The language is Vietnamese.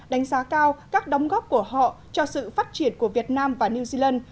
đánh giá cao các đóng góp của họ cho sự phát triển của việt nam và new zealand